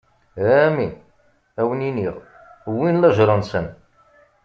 Amin, ad wen-iniɣ: Wwin lajeṛ-nsen.